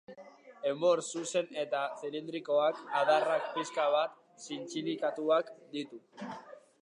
Enbor zuzen eta zilindrikoak, adarrak pixka bat zintzilikatuak ditu.